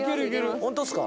本当ですか？